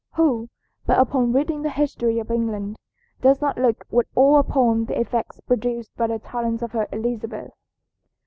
Who, but upon reading the history of England, does not look with awe upon the effects produced by the talents of her Elizabeth?